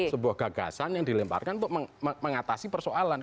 sebuah gagasan yang dilemparkan untuk mengatasi persoalan